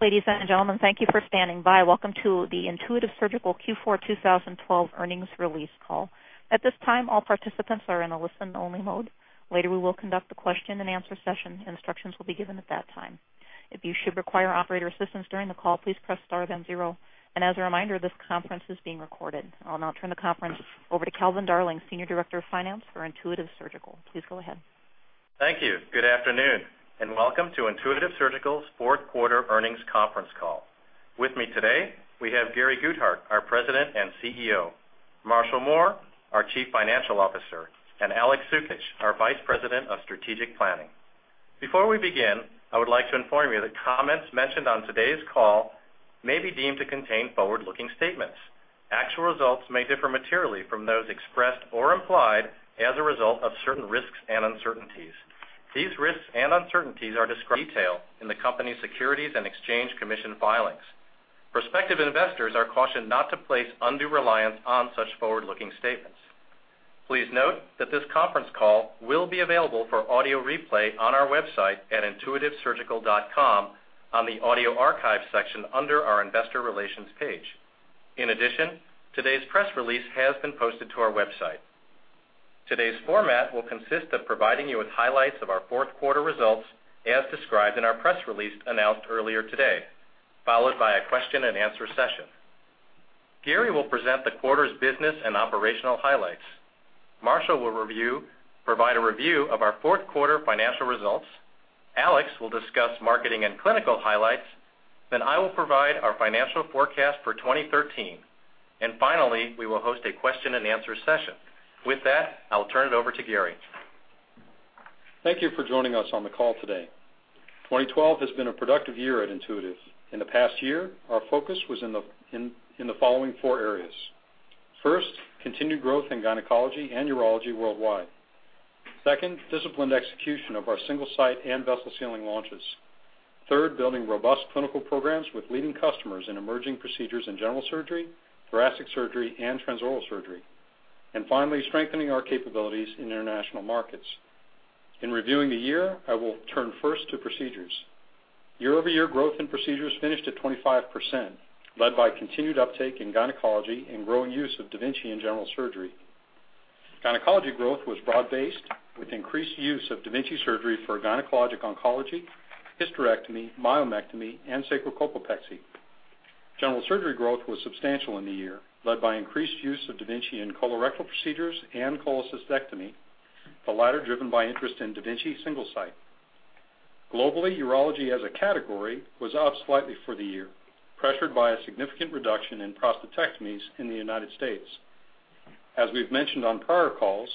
Ladies and gentlemen, thank you for standing by. Welcome to the Intuitive Surgical Q4 2012 earnings release call. At this time, all participants are in a listen-only mode. Later, we will conduct a question and answer session, and instructions will be given at that time. If you should require operator assistance during the call, please press star then zero. As a reminder, this conference is being recorded. I will now turn the conference over to Calvin Darling, Senior Director of Finance for Intuitive Surgical. Please go ahead. Thank you. Good afternoon, and welcome to Intuitive Surgical's fourth quarter earnings conference call. With me today, we have Gary Guthart, our President and CEO, Marshall Mohr, our Chief Financial Officer, and Alex St. John, our Vice President of Strategic Planning. Before we begin, I would like to inform you that comments mentioned on today's call may be deemed to contain forward-looking statements. Actual results may differ materially from those expressed or implied as a result of certain risks and uncertainties. These risks and uncertainties are described in detail in the company's Securities and Exchange Commission filings. Prospective investors are cautioned not to place undue reliance on such forward-looking statements. Please note that this conference call will be available for audio replay on our website at intuitive.com on the audio archive section under our investor relations page. In addition, today's press release has been posted to our website. Today's format will consist of providing you with highlights of our fourth quarter results, as described in our press release announced earlier today, followed by a question and answer session. Gary will present the quarter's business and operational highlights. Marshall will provide a review of our fourth quarter financial results. Alex will discuss marketing and clinical highlights. I will provide our financial forecast for 2013. Finally, we will host a question and answer session. With that, I will turn it over to Gary. Thank you for joining us on the call today. 2012 has been a productive year at Intuitive. In the past year, our focus was in the following four areas. First, continued growth in gynecology and urology worldwide. Second, disciplined execution of our Single-Site and vessel sealing launches. Third, building robust clinical programs with leading customers in emerging procedures in general surgery, thoracic surgery, and transoral surgery. Finally, strengthening our capabilities in international markets. In reviewing the year, I will turn first to procedures. Year-over-year growth in procedures finished at 25%, led by continued uptake in gynecology and growing use of da Vinci in general surgery. Gynecology growth was broad-based with increased use of da Vinci surgery for gynecologic oncology, hysterectomy, myomectomy, and sacrocolpopexy. General surgery growth was substantial in the year, led by increased use of da Vinci in colorectal procedures and cholecystectomy, the latter driven by interest in da Vinci Single-Site. Globally, urology as a category was up slightly for the year, pressured by a significant reduction in prostatectomies in the U.S. As we've mentioned on prior calls,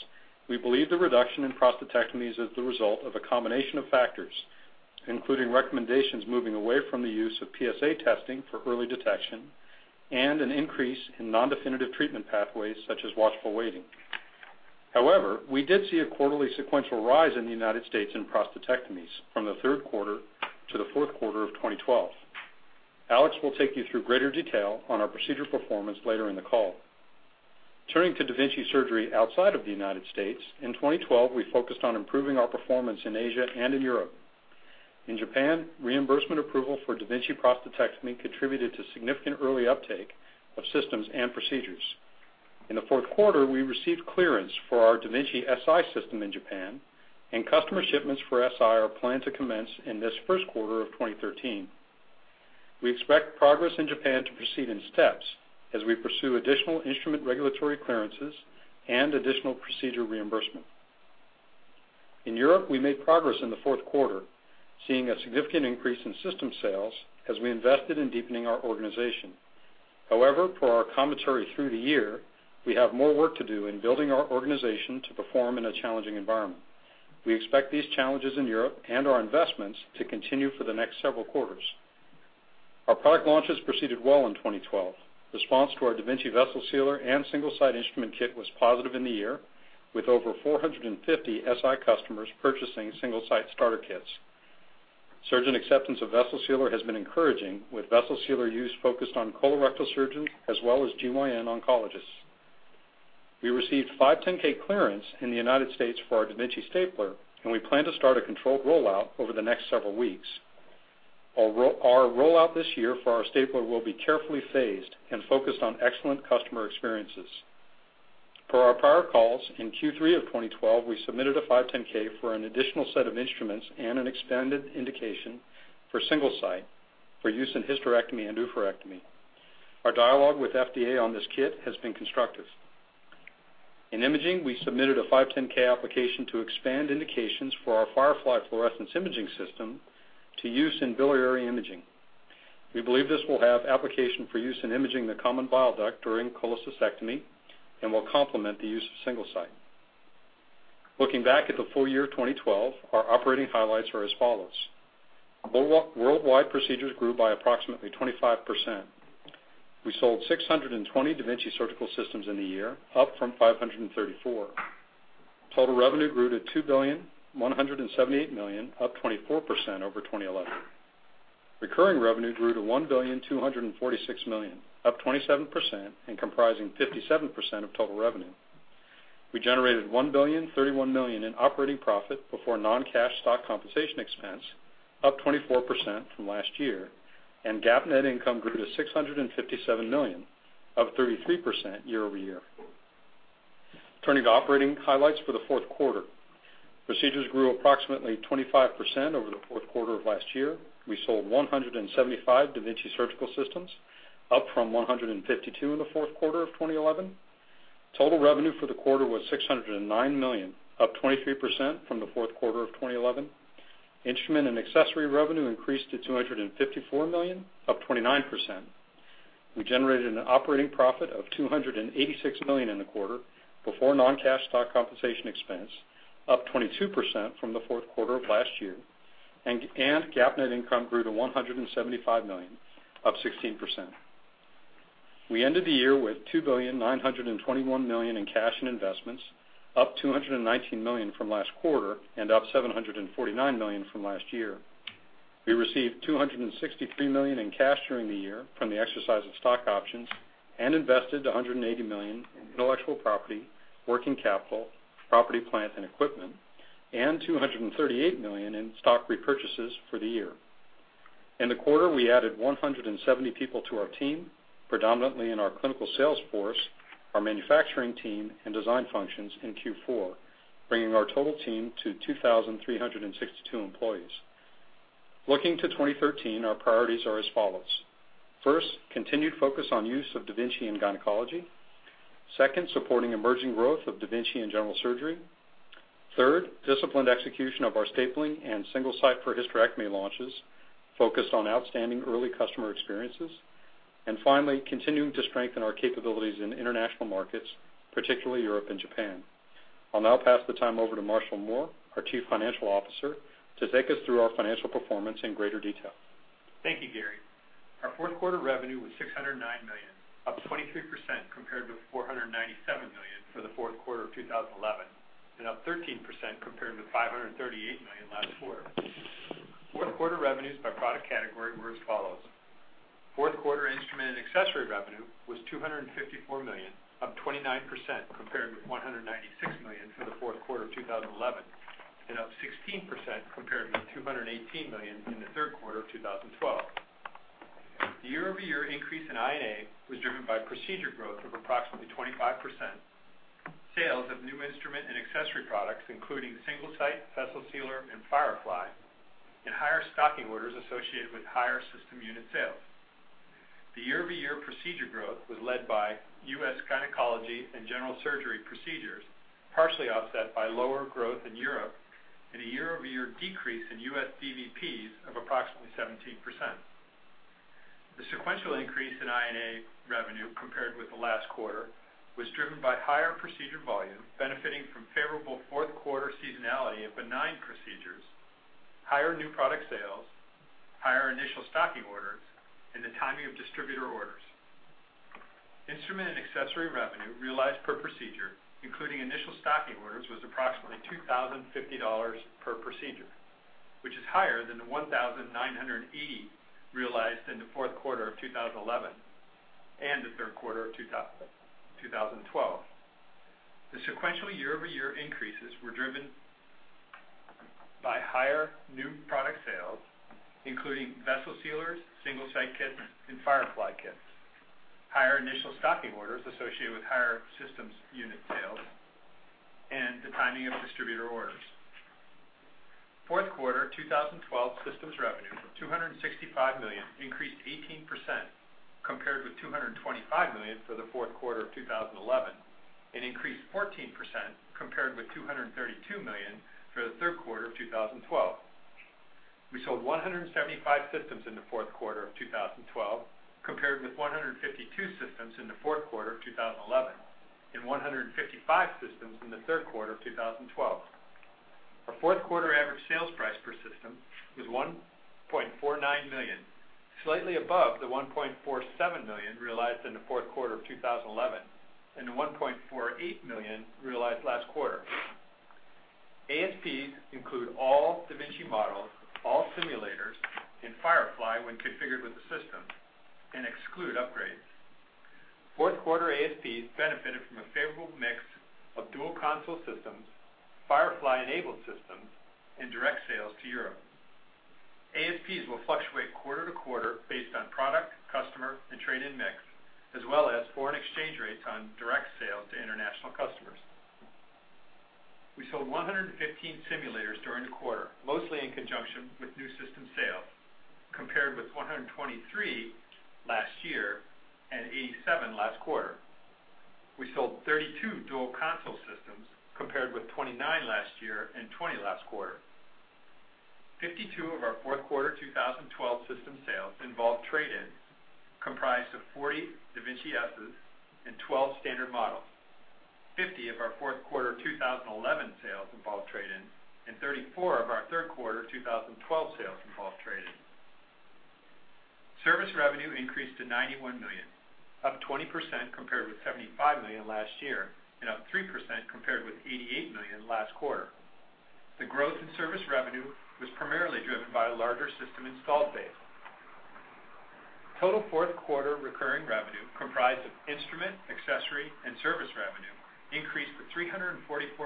we believe the reduction in prostatectomies is the result of a combination of factors, including recommendations moving away from the use of PSA testing for early detection and an increase in non-definitive treatment pathways such as watchful waiting. However, we did see a quarterly sequential rise in the U.S. in prostatectomies from the third quarter to the fourth quarter of 2012. Alex will take you through greater detail on our procedure performance later in the call. Turning to da Vinci surgery outside of the U.S., in 2012, we focused on improving our performance in Asia and in Europe. In Japan, reimbursement approval for da Vinci prostatectomy contributed to significant early uptake of systems and procedures. In the fourth quarter, we received clearance for our da Vinci Si system in Japan, and customer shipments for Si are planned to commence in this first quarter of 2013. We expect progress in Japan to proceed in steps as we pursue additional instrument regulatory clearances and additional procedure reimbursement. In Europe, we made progress in the fourth quarter, seeing a significant increase in system sales as we invested in deepening our organization. Per our commentary through the year, we have more work to do in building our organization to perform in a challenging environment. We expect these challenges in Europe and our investments to continue for the next several quarters. Our product launches proceeded well in 2012. Response to our da Vinci Vessel Sealer and Single-Site instrument kit was positive in the year, with over 450 Si customers purchasing Single-Site starter kits. Surgeon acceptance of Vessel Sealer has been encouraging, with Vessel Sealer use focused on colorectal surgeons as well as GYN oncologists. We received 510 clearance in the U.S. for our da Vinci Stapler, and we plan to start a controlled rollout over the next several weeks. Our rollout this year for our Stapler will be carefully phased and focused on excellent customer experiences. Per our prior calls, in Q3 of 2012, we submitted a 510 for an additional set of instruments and an expanded indication for Single-Site for use in hysterectomy and oophorectomy. Our dialogue with FDA on this kit has been constructive. In imaging, we submitted a 510 application to expand indications for our Firefly fluorescence imaging system to use in biliary imaging. We believe this will have application for use in imaging the common bile duct during cholecystectomy and will complement the use of Single-Site. Looking back at the full year 2012, our operating highlights are as follows. Worldwide procedures grew by approximately 25%. We sold 620 da Vinci Surgical Systems in the year, up from 534. Total revenue grew to $2,178 million, up 24% over 2011. Recurring revenue grew to $1,246 million, up 27% and comprising 57% of total revenue. We generated $1,031,000,000 in operating profit before non-cash stock compensation expense, up 24% from last year, and GAAP net income grew to $657 million, up 33% year-over-year. Turning to operating highlights for the fourth quarter. Procedures grew approximately 25% over the fourth quarter of last year. We sold 175 da Vinci Surgical Systems, up from 152 in the fourth quarter of 2011. Total revenue for the quarter was $609 million, up 23% from the fourth quarter of 2011. Instrument and accessory revenue increased to $254 million, up 29%. We generated an operating profit of $286 million in the quarter before non-cash stock compensation expense, up 22% from the fourth quarter of last year, and GAAP net income grew to $175 million, up 16%. We ended the year with $2,921,000,000 in cash and investments, up $219 million from last quarter and up $749 million from last year. We received $263 million in cash during the year from the exercise of stock options and invested $180 million in intellectual property, working capital, property, plant, and equipment, and $238 million in stock repurchases for the year. In the quarter, we added 170 people to our team, predominantly in our clinical sales force, our manufacturing team, and design functions in Q4, bringing our total team to 2,362 employees. Looking to 2013, our priorities are as follows. First, continued focus on use of da Vinci in gynecology. Second, supporting emerging growth of da Vinci in general surgery. Third, disciplined execution of our da Vinci Stapler and Single-Site for hysterectomy launches focused on outstanding early customer experiences, and finally, continuing to strengthen our capabilities in international markets, particularly Europe and Japan. I'll now pass the time over to Marshall Mohr, our Chief Financial Officer, to take us through our financial performance in greater detail. Thank you, Gary. Our fourth quarter revenue was $609 million, up 23% compared with $497 million for the fourth quarter of 2011, and up 13% compared with $538 million last quarter. Fourth quarter revenues by product category were as follows. Fourth quarter instrument and accessory revenue was $254 million, up 29% compared with $196 million for the fourth quarter of 2011, and up 16% compared with $218 million in the third quarter of 2012. The year-over-year increase in I&A was driven by procedure growth of approximately 25%. Sales of new instrument and accessory products including Single-Site, Vessel Sealer, and Firefly, and higher stocking orders associated with higher system unit sales. The year-over-year procedure growth was led by U.S. gynecology and general surgery procedures, partially offset by lower growth in Europe and a year-over-year decrease in U.S. DVPs of approximately 17%. The sequential increase in I&A revenue compared with the last quarter was driven by higher procedure volume benefiting from favorable fourth quarter seasonality of benign procedures, higher new product sales, higher initial stocking orders, and the timing of distributor orders. Instrument and accessory revenue realized per procedure, including initial stocking orders, was approximately $2,050 per procedure, which is higher than the $1,980 realized in the fourth quarter of 2011 and the third quarter of 2012. The sequential year-over-year increases were driven by higher new product sales, including Vessel Sealers, Single-Site kits, and Firefly kits, higher initial stocking orders associated with higher systems unit sales, and the timing of distributor orders. Fourth quarter 2012 systems revenue of $265 million increased 18% compared with $225 million for the fourth quarter of 2011, and increased 14% compared with $232 million for the third quarter of 2012. We sold 175 systems in the fourth quarter of 2012 compared with 152 systems in the fourth quarter of 2011 and 155 systems in the third quarter of 2012. Our fourth quarter average sales price per system was $1.49 million, slightly above the $1.47 million realized in the fourth quarter of 2011 and the $1.48 million realized last quarter. ASPs include all da Vinci models, all simulators, and Firefly when configured with the system and exclude upgrades. Fourth quarter ASPs benefited from a favorable mix of dual console systems, Firefly-enabled systems, and direct sales to Europe. ASPs will fluctuate quarter-to-quarter based on product, customer, and trade-in mix, as well as foreign exchange rates on direct sales to international customers. We sold 115 simulators during the quarter, mostly in conjunction with new system sales, compared with 123 last year and 87 last quarter. We sold 32 dual console systems compared with 29 last year and 20 last quarter. 52 of our fourth quarter 2012 system sales involved trade-ins comprised of 40 da Vinci S and 12 standard models. 50 of our fourth quarter 2011 sales involved trade-ins and 34 of our third quarter 2012 sales involved trade-ins. Service revenue increased to $91 million, up 20% compared with $75 million last year and up 3% compared with $88 million last quarter. The growth in service revenue was primarily driven by a larger system installed base. Total fourth quarter recurring revenue, comprised of instrument, accessory, and service revenue, increased to $344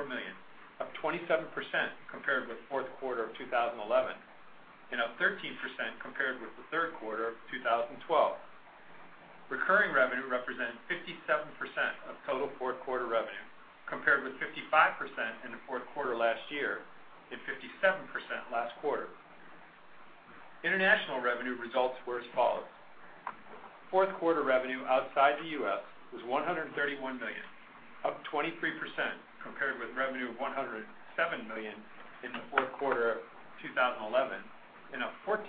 million, up 27% compared with fourth quarter of 2011, and up 13% compared with the third quarter of 2012. Recurring revenue represented 57% of total fourth quarter revenue, compared with 55% in the fourth quarter last year, and 57% last quarter. International revenue results were as follows. Fourth quarter revenue outside the U.S. was $131 million, up 23% compared with revenue of $107 million in the fourth quarter of 2011, and up 14%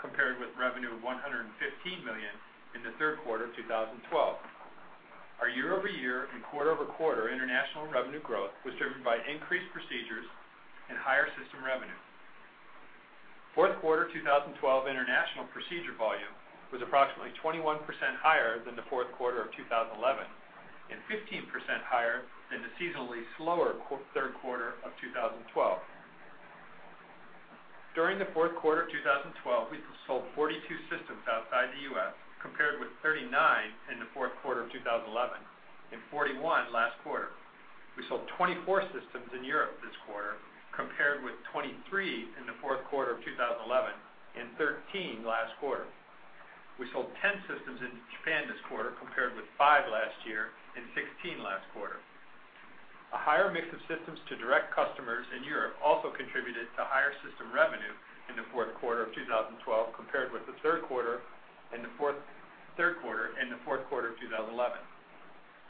compared with revenue of $115 million in the third quarter of 2012. Our year-over-year and quarter-over-quarter international revenue growth was driven by increased procedures and higher system revenue. Fourth quarter 2012 international procedure volume was approximately 21% higher than the fourth quarter of 2011, and 15% higher than the seasonally slower third quarter of 2012. During the fourth quarter of 2012, we sold 42 systems outside the U.S., compared with 39 in the fourth quarter of 2011 and 41 last quarter. We sold 24 systems in Europe this quarter, compared with 23 in the fourth quarter of 2011 and 13 last quarter. We sold 10 systems in Japan this quarter, compared with five last year and 16 last quarter. A higher mix of systems to direct customers in Europe also contributed to higher system revenue in the fourth quarter of 2012, compared with the third quarter and the fourth quarter of 2011.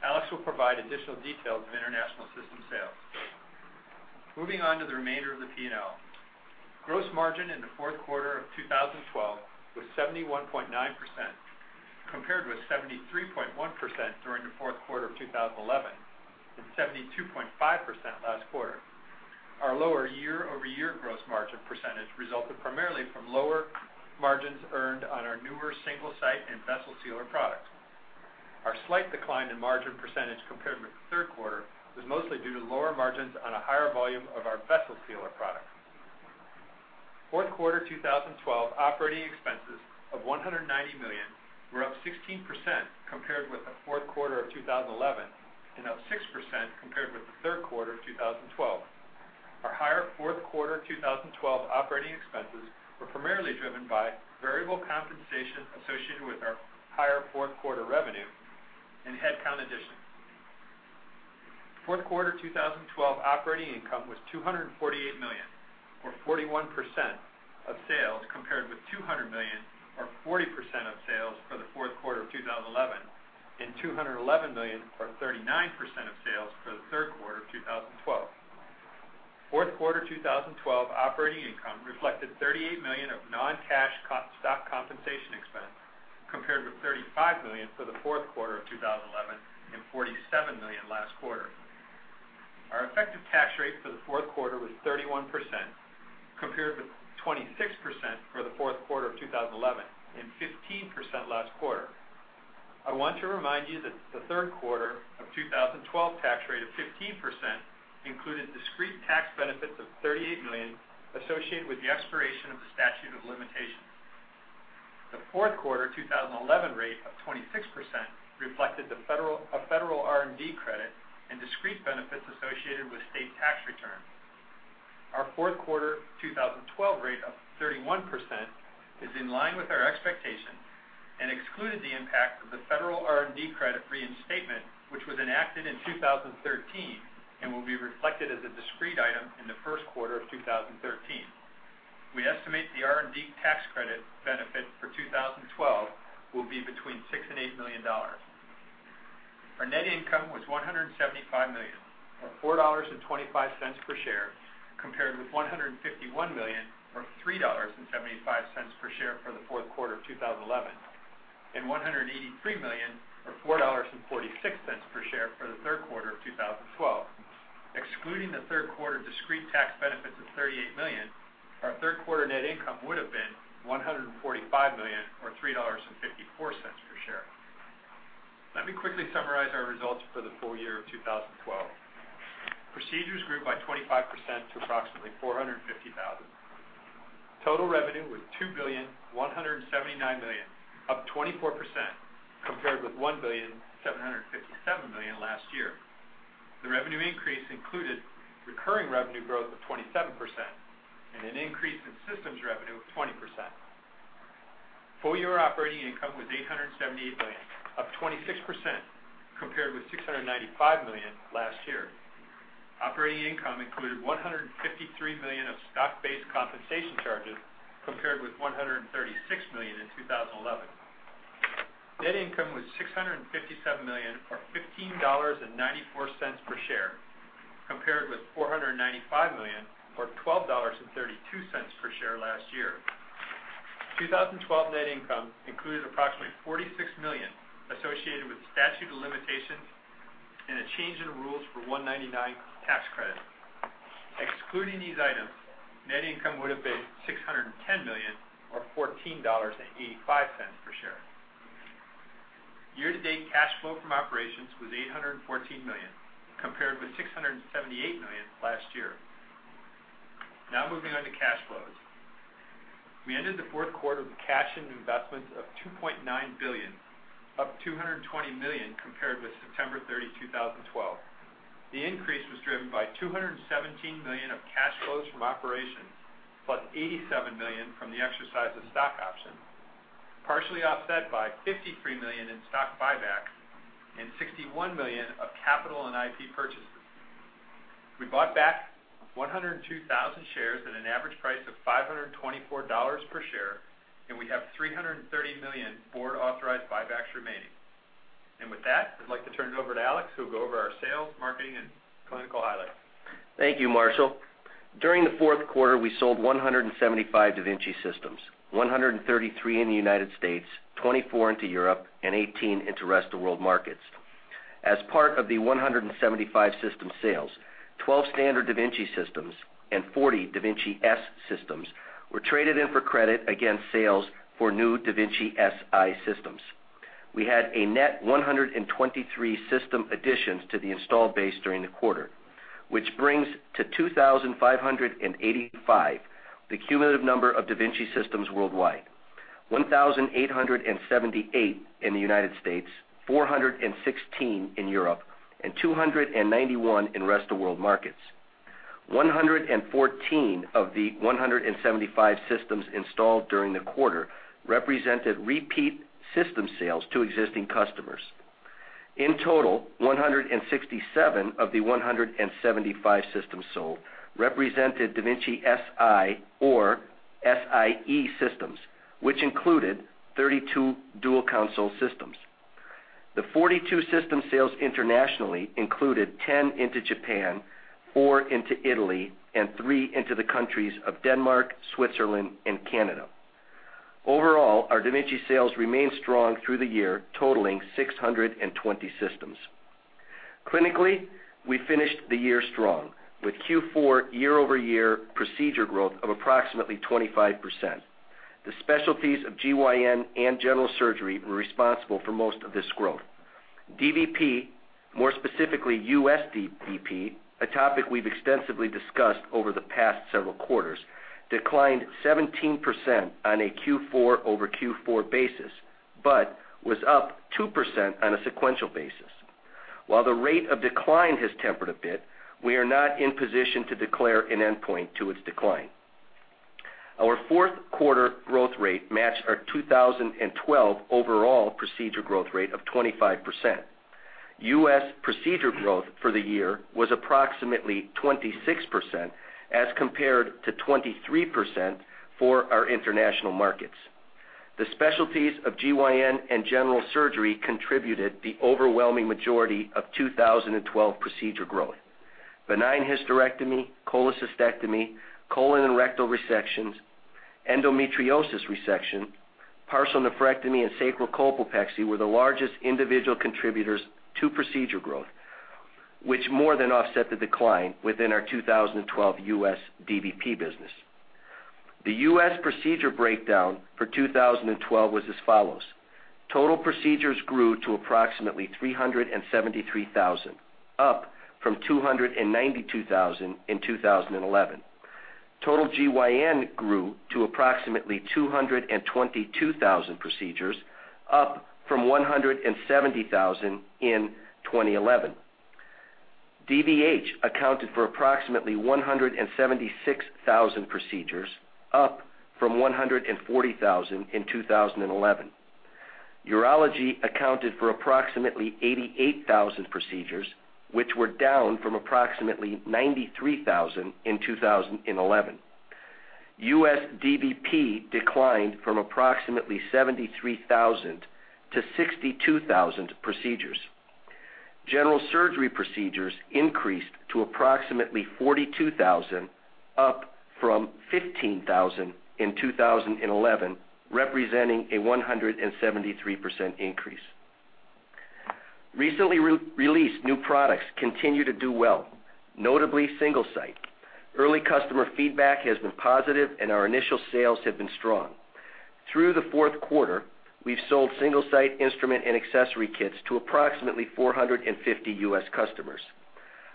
Alex will provide additional details of international system sales. Moving on to the remainder of the P&L. Gross margin in the fourth quarter of 2012 was 71.9%, compared with 73.1% during the fourth quarter of 2011, and 72.5% last quarter. Our lower year-over-year gross margin percentage resulted primarily from lower margins earned on our newer Single-Site and Vessel Sealer products. Our slight decline in margin percentage compared with the third quarter was mostly due to lower margins on a higher volume of our Vessel Sealer products. Fourth quarter 2012 operating expenses of $190 million were up 16% compared with the fourth quarter of 2011, and up 6% compared with the third quarter of 2012. Our higher fourth quarter 2012 operating expenses were primarily driven by variable compensation associated with our higher fourth quarter revenue and headcount additions. Fourth quarter 2012 operating income was $248 million, or 41% of sales, compared with $200 million, or 40% of sales for the fourth quarter of 2011, and $211 million, or 39% of sales for the third quarter of 2012. Fourth quarter 2012 operating income reflected $38 million of non-cash stock compensation expense, compared with $35 million for the fourth quarter of 2011 and $47 million last quarter. Our effective tax rate for the fourth quarter was 31%, compared with 26% for the fourth quarter of 2011, and 15% last quarter. I want to remind you that the third quarter of 2012 tax rate of 15% included discrete tax benefits of $38 million associated with the expiration of the statute of limitations. The fourth quarter 2011 rate of 26% reflected a federal R&D credit and discrete benefits associated with state tax returns. Our fourth quarter 2012 rate of 31% is in line with our expectations and excluded the impact of the federal R&D credit reinstatement, which was enacted in 2013 and will be reflected as a discrete item in the first quarter of 2013. We estimate the R&D tax credit benefit for 2012 will be between $6 million and $8 million. Our net income was $175 million, or $4.25 per share, compared with $151 million, or $3.75 per share for the fourth quarter of 2011, and $183 million, or $4.46 per share for the third quarter of 2012. Excluding the third quarter discrete tax benefit of $38 million, our third quarter net income would've been $145 million, or $3.54 per share. Let me quickly summarize our results for the full year of 2012. Procedures grew by 25% to approximately 450,000. Total revenue was $2,179 million, up 24% compared with $1,757 million last year. The revenue increase included recurring revenue growth of 27% and an increase in systems revenue of 20%. Full-year operating income was $878 million, up 26% compared with $695 million last year. Operating income included $153 million of stock-based compensation charges, compared with $136 million in 2011. Net income was $657 million, or $15.94 per share, compared with $495 million, or $12.32 per share last year. 2012 net income included approximately $46 million associated with statute of limitations and a change in rules for 199 tax credits. Excluding these items, net income would've been $610 million, or $14.85 per share. Year-to-date cash flow from operations was $814 million, compared with $678 million last year. Moving on to cash flows. We ended the fourth quarter with cash and investments of $2.9 billion, up $220 million compared with September 30, 2012. The increase was driven by $217 million of cash flows from operations, plus $87 million from the exercise of stock options, partially offset by $53 million in stock buybacks and $61 million of capital and IP purchases. We bought back 102,000 shares at an average price of $524 per share, and we have $330 million board-authorized buybacks remaining. With that, I'd like to turn it over to Alex, who'll go over our sales, marketing, and clinical highlights. Thank you, Marshall. During the fourth quarter, we sold 175 da Vinci systems, 133 in the U.S., 24 into Europe, and 18 into rest of world markets. As part of the 175 system sales, 12 standard da Vinci systems and 40 da Vinci S systems were traded in for credit against sales for new da Vinci Si systems. We had a net 123 system additions to the installed base during the quarter, which brings to 2,585 the cumulative number of da Vinci systems worldwide. 1,878 in the U.S., 416 in Europe, and 291 in rest of world markets. 114 of the 175 systems installed during the quarter represented repeat system sales to existing customers. 167 of the 175 systems sold represented da Vinci Si or Si systems, which included 32 dual-console systems. The 42 system sales internationally included 10 into Japan, four into Italy, and three into the countries of Denmark, Switzerland, and Canada. Our da Vinci sales remained strong through the year, totaling 620 systems. Clinically, we finished the year strong with Q4 year-over-year procedure growth of approximately 25%. The specialties of GYN and general surgery were responsible for most of this growth. DVP, more specifically U.S. DVP, a topic we've extensively discussed over the past several quarters, declined 17% on a Q4-over-Q4 basis, but was up 2% on a sequential basis. While the rate of decline has tempered a bit, we are not in position to declare an endpoint to its decline. Our fourth quarter growth rate matched our 2012 overall procedure growth rate of 25%. U.S. procedure growth for the year was approximately 26% as compared to 23% for our international markets. The specialties of GYN and general surgery contributed the overwhelming majority of 2012 procedure growth. Benign hysterectomy, cholecystectomy, colon and rectal resections, endometriosis resection, partial nephrectomy, and sacrocolpopexy were the largest individual contributors to procedure growth, which more than offset the decline within our 2012 U.S. DVP business. The U.S. procedure breakdown for 2012 was as follows. Total procedures grew to approximately 373,000, up from 292,000 in 2011. Total GYN grew to approximately 222,000 procedures, up from 170,000 in 2011. DVH accounted for approximately 176,000 procedures, up from 140,000 in 2011. Urology accounted for approximately 88,000 procedures, which were down from approximately 93,000 in 2011. U.S. DVP declined from approximately 73,000 to 62,000 procedures. General surgery procedures increased to approximately 42,000, up from 15,000 in 2011, representing a 173% increase. Recently released new products continue to do well, notably Single-Site. Early customer feedback has been positive, and our initial sales have been strong. Through the fourth quarter, we've sold Single-Site instrument and accessory kits to approximately 450 U.S. customers.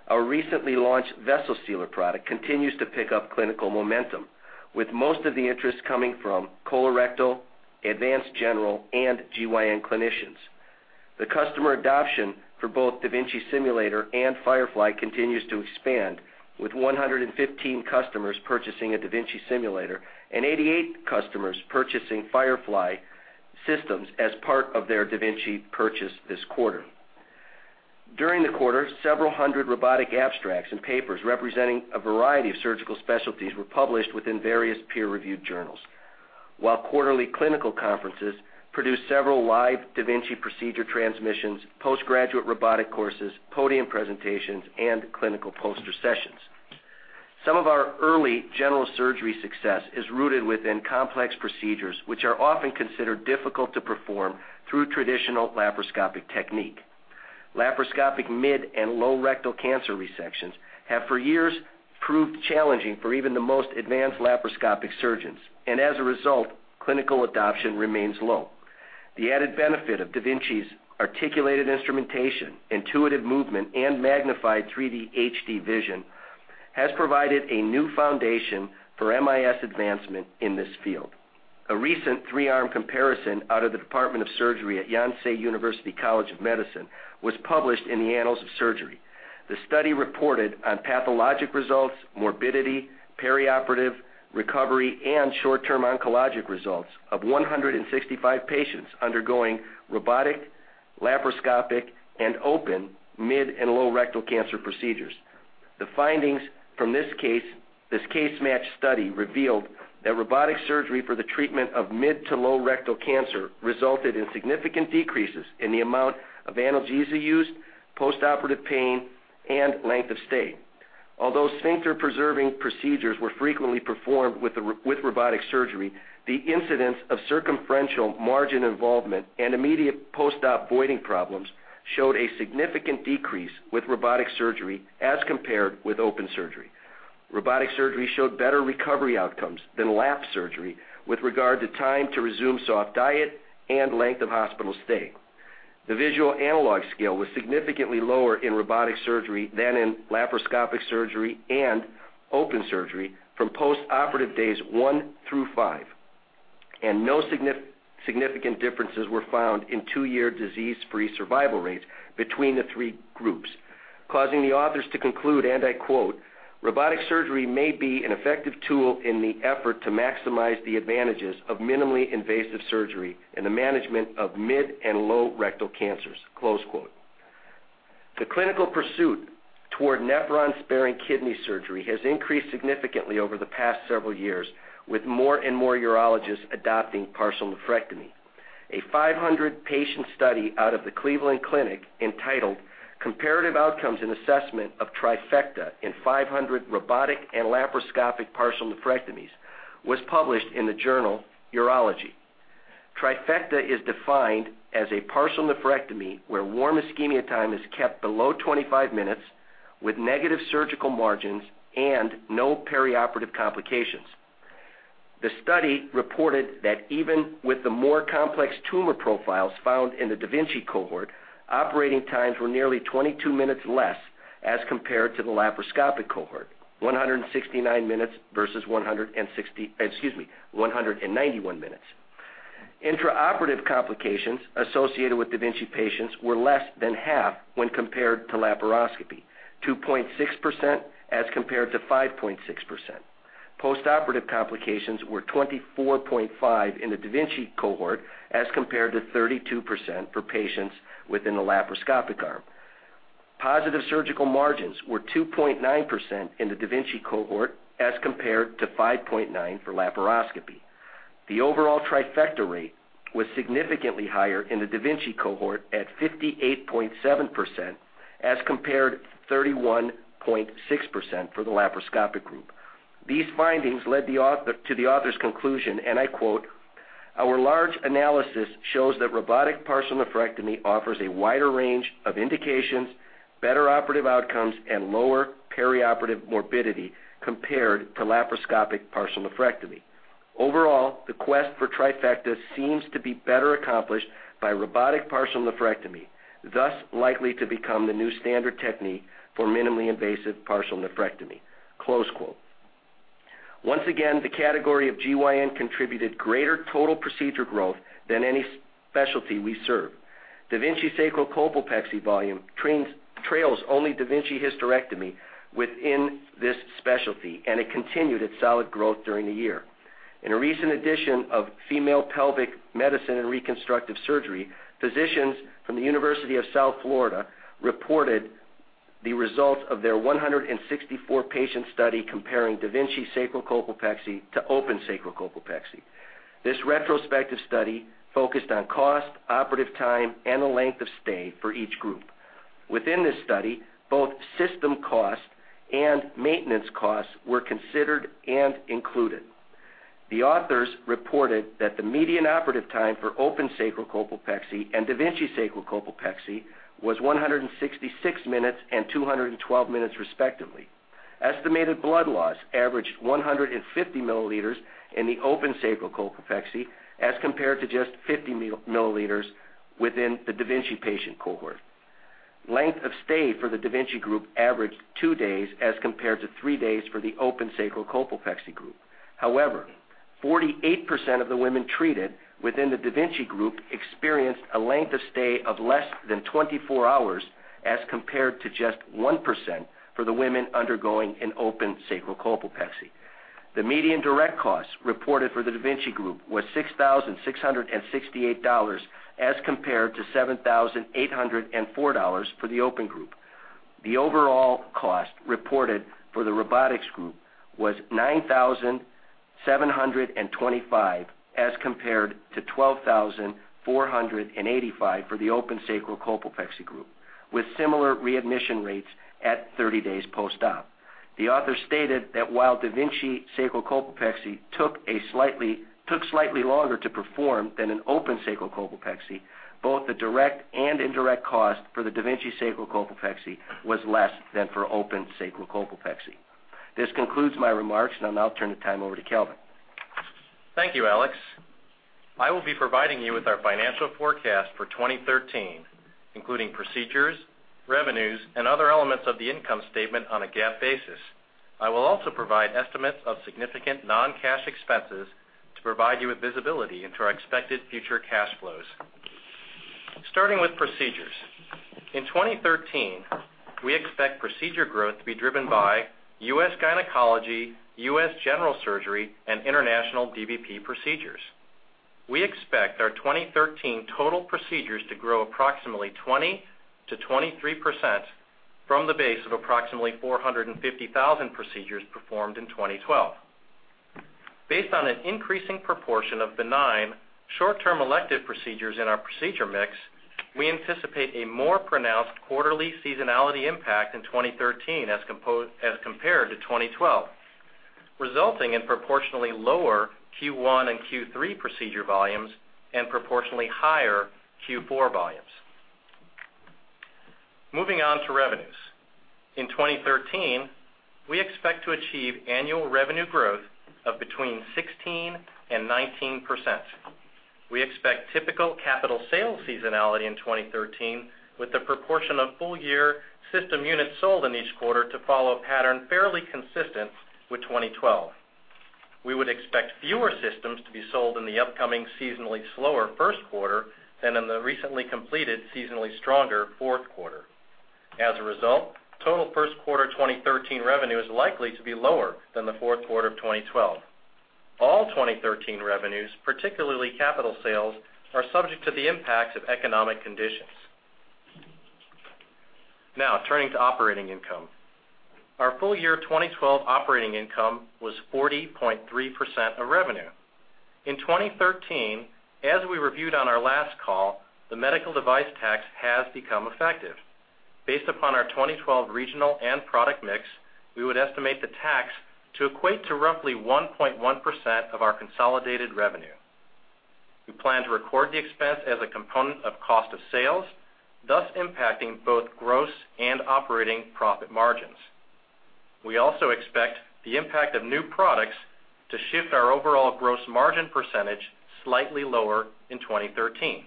Our recently launched Vessel Sealer product continues to pick up clinical momentum, with most of the interest coming from colorectal, advanced general, and GYN clinicians. The customer adoption for both da Vinci Simulator and Firefly continues to expand, with 115 customers purchasing a da Vinci Simulator and 88 customers purchasing Firefly systems as part of their da Vinci purchase this quarter. During the quarter, several hundred robotic abstracts and papers representing a variety of surgical specialties were published within various peer-reviewed journals. Quarterly clinical conferences produced several live da Vinci procedure transmissions, post-graduate robotic courses, podium presentations, and clinical poster sessions. Some of our early general surgery success is rooted within complex procedures, which are often considered difficult to perform through traditional laparoscopic technique. Laparoscopic mid and low rectal cancer resections have for years proved challenging for even the most advanced laparoscopic surgeons, and as a result, clinical adoption remains low. The added benefit of da Vinci's articulated instrumentation, intuitive movement, and magnified 3D HD vision has provided a new foundation for MIS advancement in this field. A recent three-arm comparison out of the Department of Surgery at Yonsei University College of Medicine was published in the "Annals of Surgery." The study reported on pathologic results, morbidity, perioperative recovery, and short-term oncologic results of 165 patients undergoing robotic, laparoscopic, and open mid and low rectal cancer procedures. The findings from this case match study revealed that robotic surgery for the treatment of mid to low rectal cancer resulted in significant decreases in the amount of analgesia used, postoperative pain, and length of stay. Although sphincter-preserving procedures were frequently performed with robotic surgery, the incidence of circumferential margin involvement and immediate post-op voiding problems showed a significant decrease with robotic surgery as compared with open surgery. Robotic surgery showed better recovery outcomes than lap surgery with regard to time to resume soft diet and length of hospital stay. The visual analog scale was significantly lower in robotic surgery than in laparoscopic surgery and open surgery from postoperative days one through five, and no significant differences were found in 2-year disease-free survival rates between the three groups, causing the authors to conclude, and I quote, "Robotic surgery may be an effective tool in the effort to maximize the advantages of minimally invasive surgery in the management of mid and low rectal cancers." The clinical pursuit toward nephron-sparing kidney surgery has increased significantly over the past several years, with more and more urologists adopting partial nephrectomy. A 500-patient study out of the Cleveland Clinic entitled "Comparative Outcomes and Assessment of Trifecta in 500 Robotic and Laparoscopic Partial Nephrectomies" was published in the journal, "Urology." Trifecta is defined as a partial nephrectomy where warm ischemia time is kept below 25 minutes, with negative surgical margins and no perioperative complications. The study reported that even with the more complex tumor profiles found in the da Vinci cohort, operating times were nearly 22 minutes less as compared to the laparoscopic cohort, 169 minutes versus 191 minutes. Intraoperative complications associated with da Vinci patients were less than half when compared to laparoscopy, 2.6% as compared to 5.6%. Postoperative complications were 24.5% in the da Vinci cohort as compared to 32% for patients within the laparoscopic arm. Positive surgical margins were 2.9% in the da Vinci cohort as compared to 5.9% for laparoscopy. The overall Trifecta rate was significantly higher in the da Vinci cohort at 58.7% as compared to 31.6% for the laparoscopic group. These findings led to the author's conclusion, and I quote, "Our large analysis shows that robotic partial nephrectomy offers a wider range of indications, better operative outcomes, and lower perioperative morbidity compared to laparoscopic partial nephrectomy. Overall, the quest for Trifecta seems to be better accomplished by robotic partial nephrectomy, thus likely to become the new standard technique for minimally invasive partial nephrectomy. Once again, the category of GYN contributed greater total procedure growth than any specialty we serve. da Vinci sacrocolpopexy volume trails only da Vinci hysterectomy within this specialty, and it continued its solid growth during the year. In a recent edition of "Female Pelvic Medicine & Reconstructive Surgery," physicians from the University of South Florida reported the results of their 164-patient study comparing da Vinci sacrocolpopexy to open sacrocolpopexy. This retrospective study focused on cost, operative time, and the length of stay for each group. Within this study, both system cost and maintenance costs were considered and included. The authors reported that the median operative time for open sacrocolpopexy and da Vinci sacrocolpopexy was 166 minutes and 212 minutes, respectively. Estimated blood loss averaged 150 milliliters in the open sacrocolpopexy as compared to just 50 milliliters within the da Vinci patient cohort. Length of stay for the da Vinci group averaged two days as compared to three days for the open sacrocolpopexy group. However, 48% of the women treated within the da Vinci group experienced a length of stay of less than 24 hours as compared to just 1% for the women undergoing an open sacrocolpopexy. The median direct cost reported for the da Vinci group was $6,668 as compared to $7,804 for the open group. The overall cost reported for the robotics group was $9,725 as compared to $12,485 for the open sacrocolpopexy group, with similar readmission rates at 30 days post-op. The author stated that while da Vinci sacrocolpopexy took slightly longer to perform than an open sacrocolpopexy, both the direct and indirect cost for the da Vinci sacrocolpopexy was less than for open sacrocolpopexy. This concludes my remarks, and I'll now turn the time over to Calvin. Thank you, Alex. I will be providing you with our financial forecast for 2013, including procedures, revenues, and other elements of the income statement on a GAAP basis. I will also provide estimates of significant non-cash expenses to provide you with visibility into our expected future cash flows. Starting with procedures. In 2013, we expect procedure growth to be driven by U.S. gynecology, U.S. general surgery, and international DVP procedures. We expect our 2013 total procedures to grow approximately 20%-23% from the base of approximately 450,000 procedures performed in 2012. Based on an increasing proportion of benign short-term elective procedures in our procedure mix, we anticipate a more pronounced quarterly seasonality impact in 2013 as compared to 2012, resulting in proportionally lower Q1 and Q3 procedure volumes and proportionally higher Q4 volumes. Moving on to revenues. In 2013, we expect to achieve annual revenue growth of between 16% and 19%. We expect typical capital sales seasonality in 2013, with the proportion of full-year system units sold in each quarter to follow a pattern fairly consistent with 2012. We would expect fewer systems to be sold in the upcoming seasonally slower first quarter than in the recently completed seasonally stronger fourth quarter. As a result, total first quarter 2013 revenue is likely to be lower than the fourth quarter of 2012. All 2013 revenues, particularly capital sales, are subject to the impacts of economic conditions. Now turning to operating income. Our full year 2012 operating income was 40.3% of revenue. In 2013, as we reviewed on our last call, the Medical Device Tax has become effective. Based upon our 2012 regional and product mix, we would estimate the tax to equate to roughly 1.1% of our consolidated revenue. We plan to record the expense as a component of cost of sales, thus impacting both gross and operating profit margins. We also expect the impact of new products to shift our overall gross margin percentage slightly lower in 2013.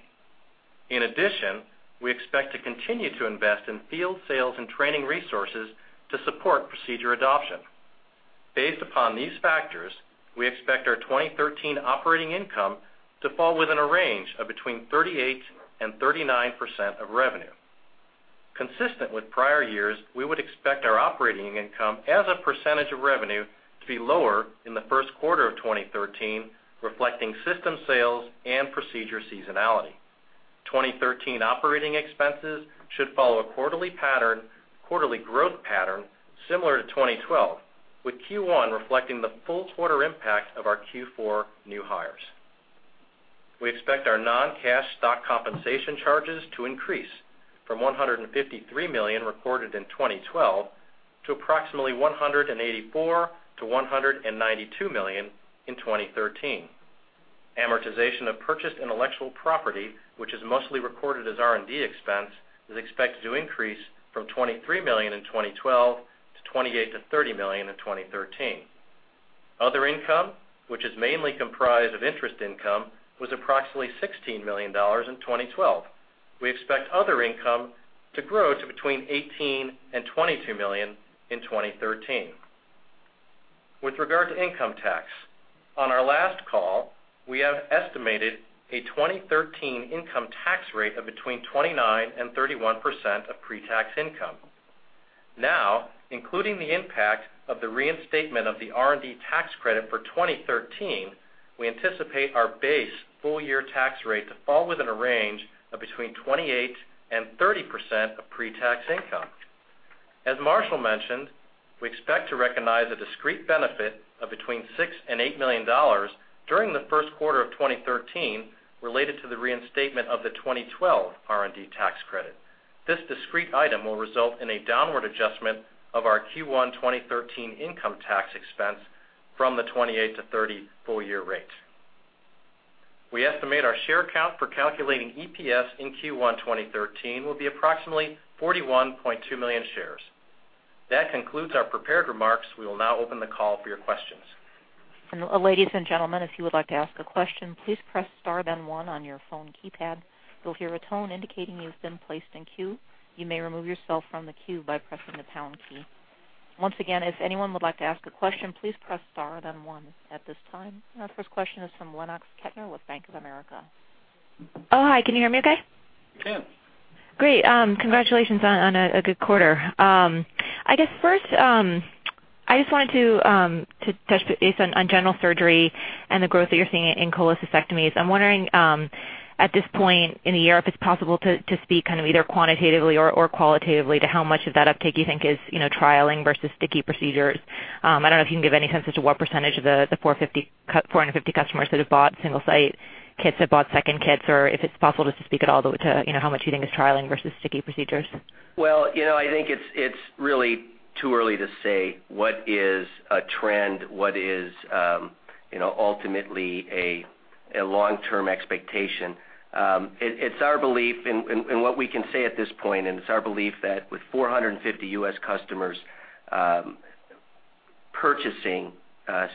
In addition, we expect to continue to invest in field sales and training resources to support procedure adoption. Based upon these factors, we expect our 2013 operating income to fall within a range of between 38% and 39% of revenue. Consistent with prior years, we would expect our operating income as a percentage of revenue to be lower in the first quarter of 2013, reflecting system sales and procedure seasonality. 2013 operating expenses should follow a quarterly growth pattern similar to 2012, with Q1 reflecting the full quarter impact of our Q4 new hires. We expect our non-cash stock compensation charges to increase from $153 million recorded in 2012 to approximately $184 million-$192 million in 2013. Amortization of purchased intellectual property, which is mostly recorded as R&D expense, is expected to increase from $23 million in 2012 to $28 million-$30 million in 2013. Other income, which is mainly comprised of interest income, was approximately $16 million in 2012. We expect other income to grow to between $18 million and $22 million in 2013. With regard to income tax. On our last call, we have estimated a 2013 income tax rate of between 29% and 31% of pre-tax income. Now, including the impact of the reinstatement of the R&D Tax Credit for 2013, we anticipate our base full-year tax rate to fall within a range of between 28% and 30% of pre-tax income. As Marshall mentioned, we expect to recognize a discrete benefit of between $6 million and $8 million during the first quarter of 2013 related to the reinstatement of the 2012 R&D Tax Credit. This discrete item will result in a downward adjustment of our Q1 2013 income tax expense from the 28%-30% full-year rate. We estimate our share count for calculating EPS in Q1 2013 will be approximately 41.2 million shares. That concludes our prepared remarks. We will now open the call for your questions. ladies and gentlemen, if you would like to ask a question, please press star then one on your phone keypad. You'll hear a tone indicating you've been placed in queue. You may remove yourself from the queue by pressing the pound key. Once again, if anyone would like to ask a question, please press star then one at this time. Our first question is from Lennox Ketner with Bank of America. Hi. Can you hear me okay? We can. Great. Congratulations on a good quarter. I guess first, I just wanted to touch base on general surgery and the growth that you're seeing in cholecystectomies. I'm wondering, at this point in the year, if it's possible to speak kind of either quantitatively or qualitatively to how much of that uptake you think is trialing versus sticky procedure? I don't know if you can give any sense as to what percentage of the 450 customers that have bought Single-Site kits have bought second kits, or if it's possible to speak at all to how much you think is trialing versus sticky procedures. Well, I think it's really too early to say what is a trend, what is ultimately a long-term expectation. What we can say at this point, and it's our belief that with 450 U.S. customers purchasing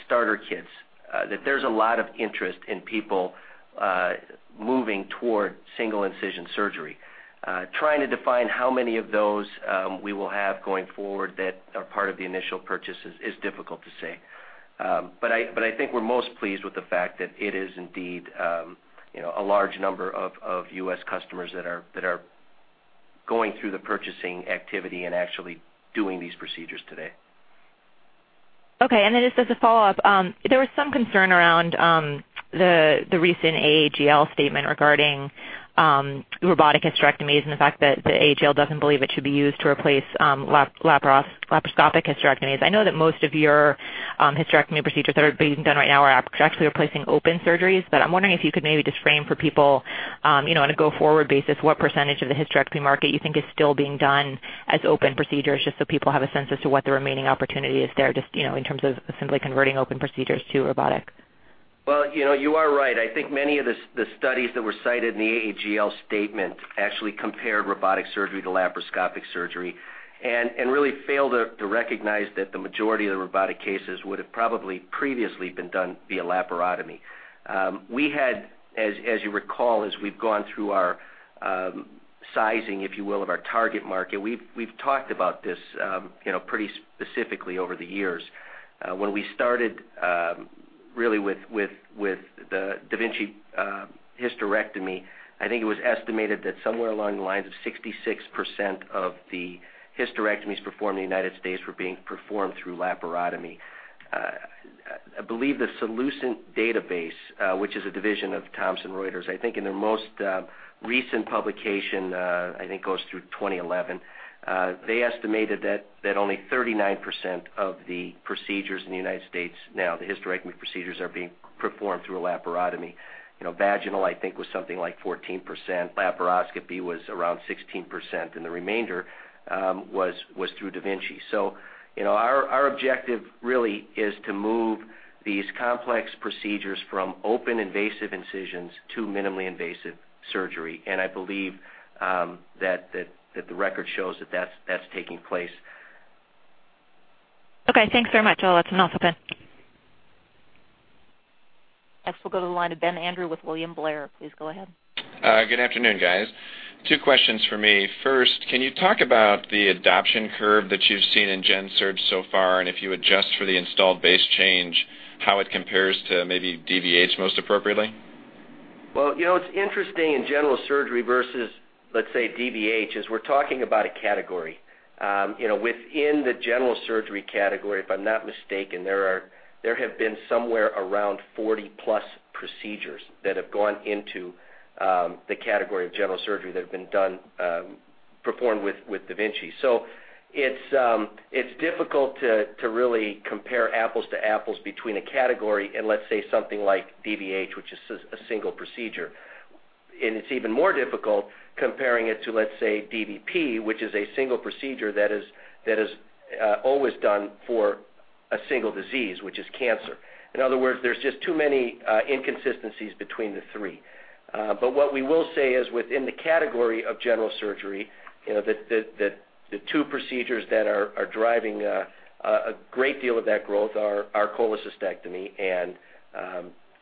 starter kits, that there's a lot of interest in people moving toward single incision surgery. Trying to define how many of those we will have going forward that are part of the initial purchases is difficult to say. I think we're most pleased with the fact that it is indeed a large number of U.S. customers that are going through the purchasing activity and actually doing these procedures today. Okay. Just as a follow-up, there was some concern around the recent AAGL statement regarding robotic hysterectomies and the fact that the AAGL doesn't believe it should be used to replace laparoscopic hysterectomies. I know that most of your hysterectomy procedures that are being done right now are actually replacing open surgeries, I'm wondering if you could maybe just frame for people, on a go-forward basis, what % of the hysterectomy market you think is still being done as open procedures, just so people have a sense as to what the remaining opportunity is there, just in terms of simply converting open procedures to robotic. Well, you are right. I think many of the studies that were cited in the AAGL statement actually compared robotic surgery to laparoscopic surgery and really failed to recognize that the majority of the robotic cases would have probably previously been done via laparotomy. We had, as you recall, as we've gone through our sizing, if you will, of our target market, we've talked about this pretty specifically over the years. When we started really with the da Vinci hysterectomy, I think it was estimated that somewhere along the lines of 66% of the hysterectomies performed in the U.S. were being performed through laparotomy. I believe the Solucient database, which is a division of Thomson Reuters, I think in their most recent publication, I think goes through 2011, they estimated that only 39% of the procedures in the U.S. now, the hysterectomy procedures, are being performed through a laparotomy. Vaginal, I think, was something like 14%, laparoscopy was around 16%, and the remainder was through da Vinci. Our objective really is to move these complex procedures from open, invasive incisions to minimally invasive surgery. I believe that the record shows that that's taking place. Okay, thanks very much. I'll let someone else hop in. Next we'll go to the line of Benjamin Andrew with William Blair. Please go ahead. Good afternoon, guys. Two questions for me. First, can you talk about the adoption curve that you've seen in gen surg so far, and if you adjust for the installed base change, how it compares to maybe DVH most appropriately? Well, it's interesting in general surgery versus, let's say, DVH, is we're talking about a category. Within the general surgery category, if I'm not mistaken, there have been somewhere around 40-plus procedures that have gone into the category of general surgery that have been performed with da Vinci. It's difficult to really compare apples to apples between a category and, let's say, something like DVH, which is a single procedure. It's even more difficult comparing it to, let's say, DVP, which is a single procedure that is always done for a single disease, which is cancer. In other words, there's just too many inconsistencies between the three. What we will say is within the category of general surgery, that the two procedures that are driving a great deal of that growth are cholecystectomy and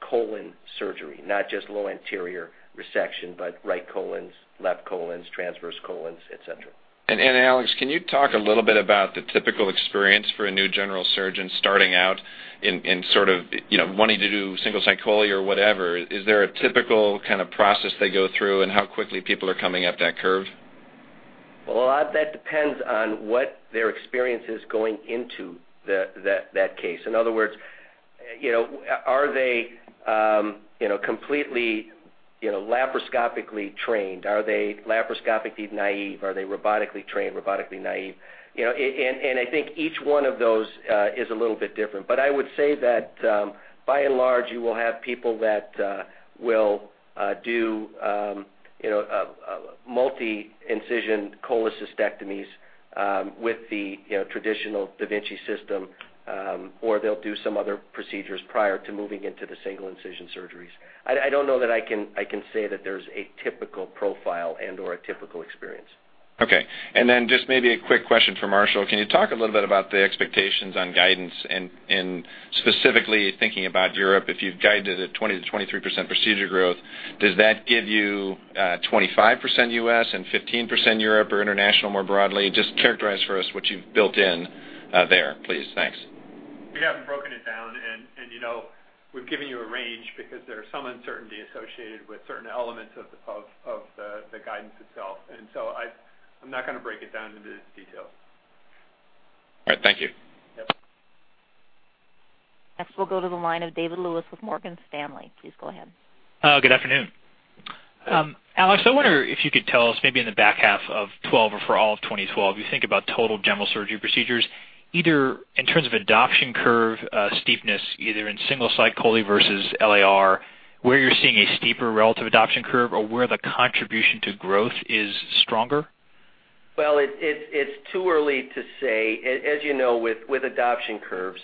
colon surgery. Not just low anterior resection, but right colons, left colons, transverse colons, et cetera. Alex, can you talk a little bit about the typical experience for a new general surgeon starting out and sort of wanting to do Single-Site chole or whatever. Is there a typical kind of process they go through, and how quickly people are coming up that curve? A lot of that depends on what their experience is going into that case. In other words, are they completely laparoscopically trained? Are they laparoscopically naive? Are they robotically trained, robotically naive? I think each one of those is a little bit different. I would say that by and large, you will have people that will do multi-incision cholecystectomies with the traditional da Vinci system, or they'll do some other procedures prior to moving into the single incision surgeries. I don't know that I can say that there's a typical profile and/or a typical experience. Okay. Then just maybe a quick question for Marshall. Can you talk a little bit about the expectations on guidance and specifically thinking about Europe, if you've guided at 20%-23% procedure growth, does that give you 25% U.S. and 15% Europe or international more broadly? Just characterize for us what you've built in there, please. Thanks. We haven't broken it down, we've given you a range because there's some uncertainty associated with certain elements of the guidance itself. I'm not going to break it down into details. All right. Thank you. Yep. Next, we'll go to the line of David Lewis with Morgan Stanley. Please go ahead. Good afternoon. Alex, I wonder if you could tell us maybe in the back half of 2012 or for all of 2012, you think about total general surgery procedures, either in terms of adoption curve steepness, either in Single-Site chole versus LAR, where you're seeing a steeper relative adoption curve or where the contribution to growth is stronger? Well, it's too early to say. As you know, with adoption curves,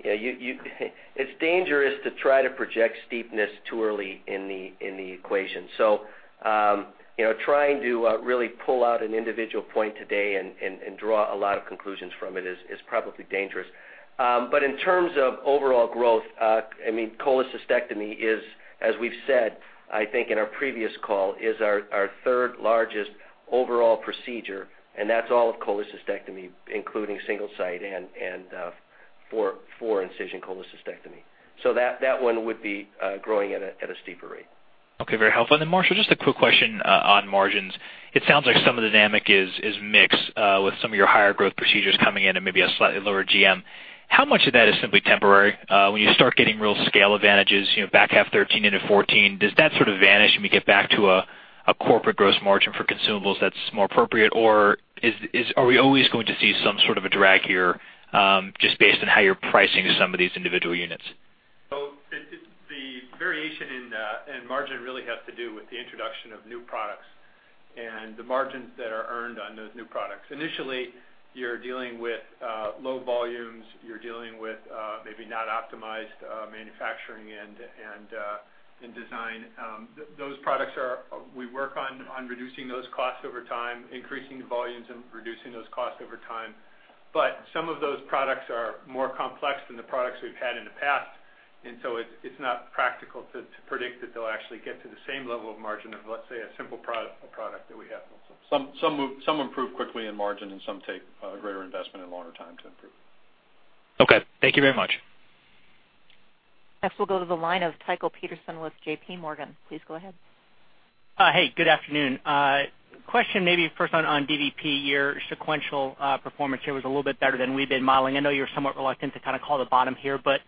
it's dangerous to try to project steepness too early in the equation. Trying to really pull out an individual point today and draw a lot of conclusions from it is probably dangerous. In terms of overall growth, cholecystectomy is, as we've said, I think in our previous call, is our third largest overall procedure, and that's all of cholecystectomy, including Single-Site and four incision cholecystectomy. That one would be growing at a steeper rate. Okay. Very helpful. Marshall, just a quick question on margins. It sounds like some of the dynamic is mixed with some of your higher growth procedures coming in and maybe a slightly lower GM. How much of that is simply temporary? When you start getting real scale advantages, back half 2013 into 2014, does that sort of vanish when we get back to a corporate gross margin for consumables that's more appropriate? Are we always going to see some sort of a drag here, just based on how you're pricing some of these individual units? The variation in margin really has to do with the introduction of new products and the margins that are earned on those new products. Initially, you're dealing with low volumes. You're dealing with maybe not optimized manufacturing and design. Those products we work on reducing those costs over time, increasing the volumes and reducing those costs over time. Some of those products are more complex than the products we've had in the past, it's not practical to predict that they'll actually get to the same level of margin of, let's say, a simple product that we have. Some improve quickly in margin, and some take a greater investment and longer time to improve. Okay. Thank you very much. Next, we'll go to the line of Tycho Peterson with JPMorgan. Please go ahead. Hey, good afternoon. Question maybe first on DVP. Your sequential performance here was a little bit better than we've been modeling. I know you're somewhat reluctant to kind of call the bottom here, but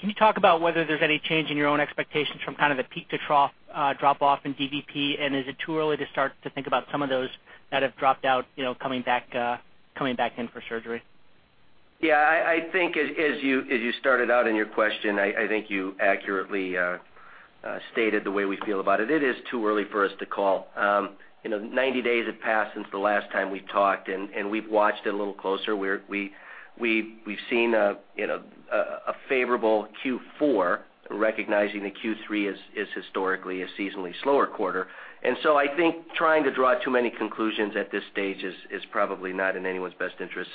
can you talk about whether there's any change in your own expectations from kind of the peak to trough drop off in DVP? Is it too early to start to think about some of those that have dropped out coming back in for surgery? I think as you started out in your question, I think you accurately stated the way we feel about it. It is too early for us to call. 90 days have passed since the last time we talked, we've watched it a little closer. We've seen a favorable Q4, recognizing that Q3 is historically a seasonally slower quarter. I think trying to draw too many conclusions at this stage is probably not in anyone's best interest.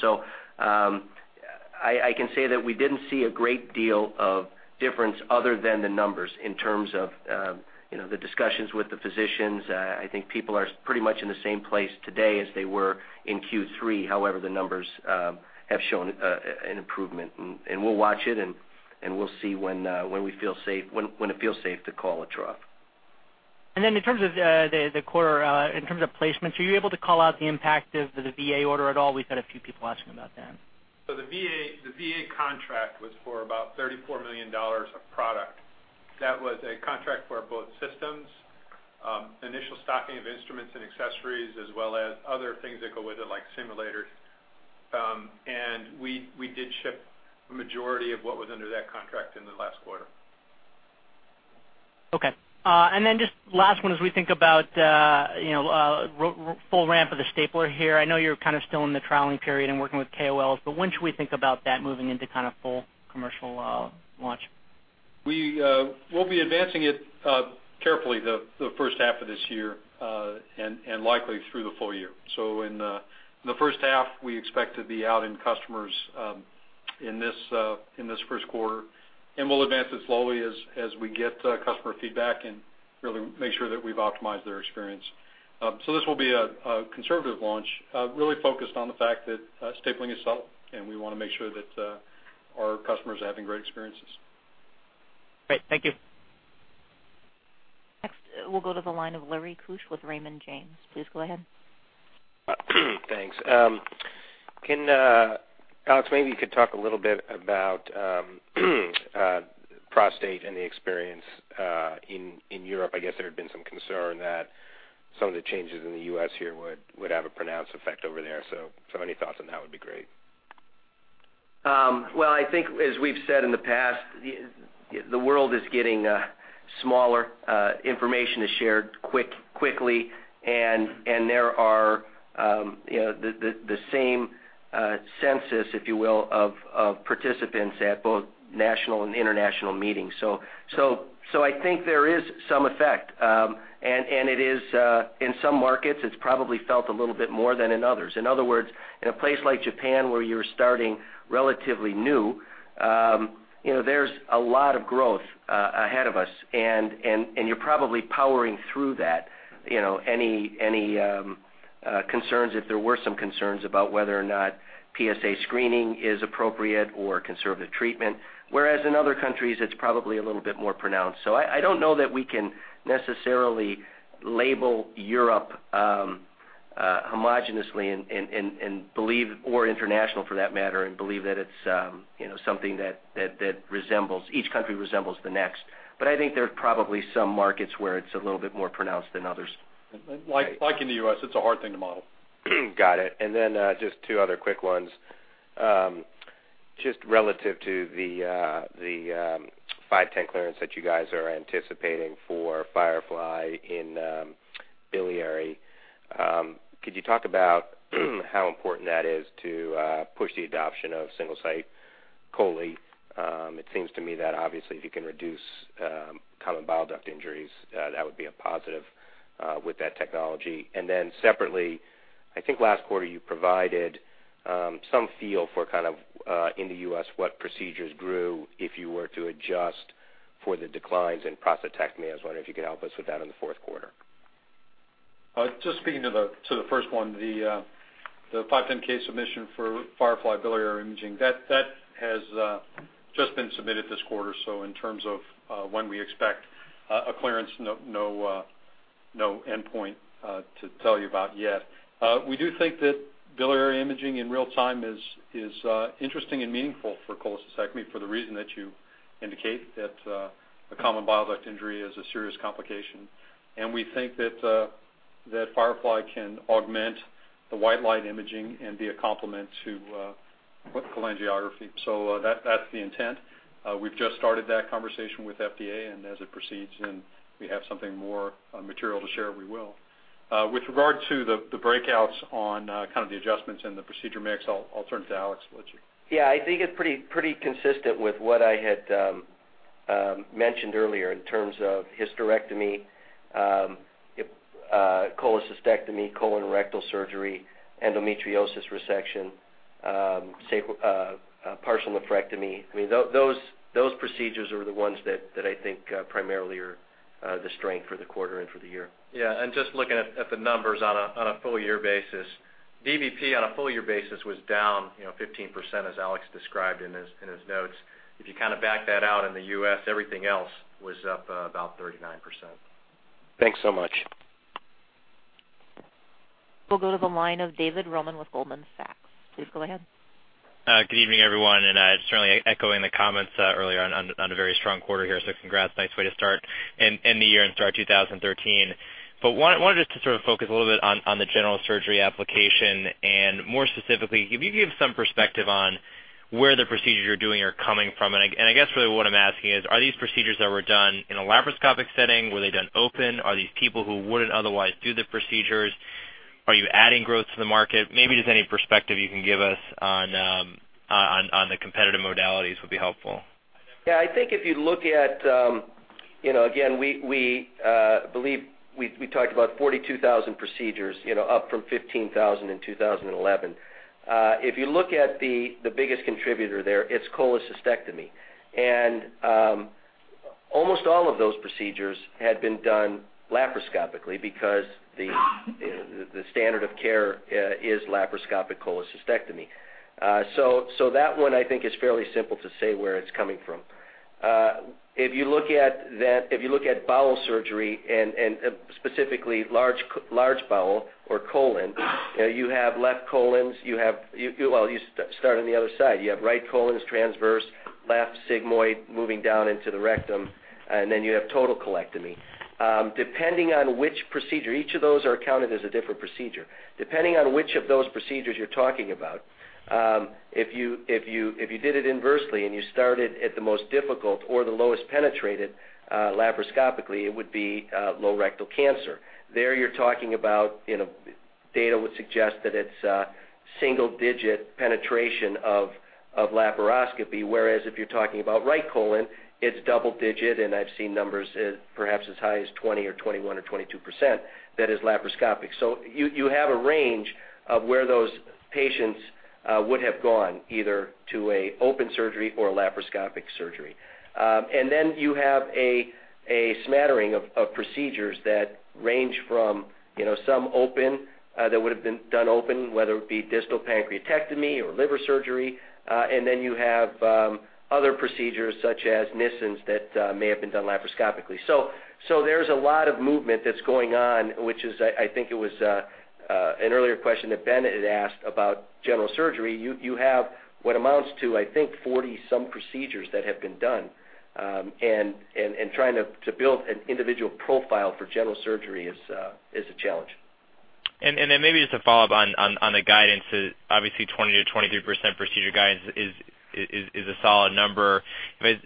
I can say that we didn't see a great deal of difference other than the numbers in terms of the discussions with the physicians. I think people are pretty much in the same place today as they were in Q3. However, the numbers have shown an improvement, we'll watch it, and we'll see when it feels safe to call a trough. In terms of the quarter, in terms of placements, are you able to call out the impact of the VA order at all? We've had a few people asking about that. The VA contract was for about $34 million of product. That was a contract for both systems, initial stocking of instruments and accessories, as well as other things that go with it, like simulators. We did ship a majority of what was under that contract in the last quarter. Okay. Just last one, as we think about full ramp of the stapler here, I know you're kind of still in the trialing period and working with KOLs, when should we think about that moving into kind of full commercial launch? We'll be advancing it carefully the first half of this year, likely through the full year. In the first half, we expect to be out in customers in this first quarter, we'll advance it slowly as we get customer feedback and really make sure that we've optimized their experience. This will be a conservative launch, really focused on the fact that stapling is subtle, and we want to make sure that our customers are having great experiences. Great. Thank you. We will go to the line of Lawrence Keusch with Raymond James. Please go ahead. Thanks. Alex, maybe you could talk a little bit about prostate and the experience in Europe. I guess there had been some concern that some of the changes in the U.S. here would have a pronounced effect over there. If you have any thoughts on that would be great. Well, I think as we've said in the past, the world is getting smaller. Information is shared quickly, and there are the same census, if you will, of participants at both national and international meetings. I think there is some effect. It is in some markets, it's probably felt a little bit more than in others. In other words, in a place like Japan where you're starting relatively new, there's a lot of growth ahead of us, and you're probably powering through that. Any concerns, if there were some concerns about whether or not PSA screening is appropriate or conservative treatment, whereas in other countries, it's probably a little bit more pronounced. I don't know that we can necessarily label Europe Homogeneously and believe, or international for that matter, and believe that it's something that each country resembles the next. I think there's probably some markets where it's a little bit more pronounced than others. Like in the U.S., it's a hard thing to model. Got it. Just two other quick ones. Just relative to the 510(k) clearance that you guys are anticipating for Firefly in biliary. Could you talk about how important that is to push the adoption of Single-Site chole? It seems to me that obviously if you can reduce common bile duct injuries, that would be a positive with that technology. Separately, I think last quarter you provided some feel for in the U.S. what procedures grew if you were to adjust for the declines in prostatectomy. I was wondering if you could help us with that in the fourth quarter. Just speaking to the first one, the 510(k) submission for Firefly biliary imaging, that has just been submitted this quarter. In terms of when we expect a clearance, no endpoint to tell you about yet. We do think that biliary imaging in real time is interesting and meaningful for cholecystectomy for the reason that you indicate, that a common bile duct injury is a serious complication. We think that Firefly can augment the white light imaging and be a complement to cholangiography. That's the intent. We've just started that conversation with FDA, as it proceeds and we have something more material to share, we will. With regard to the breakouts on kind of the adjustments and the procedure mix, I'll turn it to Alex. Yeah, I think it's pretty consistent with what I had mentioned earlier in terms of hysterectomy, cholecystectomy, colon rectal surgery, endometriosis resection, partial nephrectomy. Those procedures are the ones that I think primarily are the strength for the quarter and for the year. Just looking at the numbers on a full year basis. DVP on a full year basis was down 15% as Alex described in his notes. If you back that out in the U.S., everything else was up about 39%. Thanks so much. We'll go to the line of David Roman with Goldman Sachs. Please go ahead. Good evening, everyone. Just really echoing the comments earlier on a very strong quarter here, so congrats. Nice way to start end the year and start 2013. Wanted just to focus a little bit on the general surgery application and more specifically, can you give some perspective on where the procedures you're doing are coming from? I guess really what I'm asking is, are these procedures that were done in a laparoscopic setting, were they done open? Are these people who wouldn't otherwise do the procedures? Are you adding growth to the market? Maybe just any perspective you can give us on the competitive modalities would be helpful. I think if you look at, again, we believe we talked about 42,000 procedures, up from 15,000 in 2011. If you look at the biggest contributor there, it's cholecystectomy. Almost all of those procedures had been done laparoscopically because the standard of care is laparoscopic cholecystectomy. That one I think is fairly simple to say where it's coming from. If you look at bowel surgery and specifically large bowel or colon, you have left colons. You start on the other side. You have right colons, transverse, left sigmoid, moving down into the rectum, and then you have total colectomy. Depending on which procedure, each of those are counted as a different procedure. Depending on which of those procedures you're talking about, if you did it inversely and you started at the most difficult or the lowest penetrated laparoscopically, it would be low rectal cancer. There you're talking about data would suggest that it's single-digit penetration of laparoscopy, whereas if you're talking about right colon, it's double-digit, and I've seen numbers perhaps as high as 20 or 21 or 22%, that is laparoscopic. You have a range of where those patients would have gone, either to a open surgery or a laparoscopic surgery. You have a smattering of procedures that range from some open, that would've been done open, whether it be distal pancreatectomy or liver surgery, and then you have other procedures such as Nissen that may have been done laparoscopically. There's a lot of movement that's going on, which is, I think it was an earlier question that Ben had asked about general surgery. You have what amounts to, I think, 40-some procedures that have been done. Trying to build an individual profile for general surgery is a challenge. Maybe just to follow up on the guidance, obviously 20%-23% procedure guidance is a solid number.